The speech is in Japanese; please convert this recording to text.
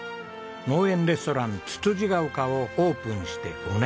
農園レストランつつじヶ丘をオープンして５年。